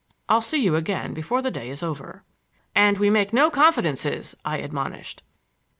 I'll see you again before the day is over." "And we make no confidences!" I admonished.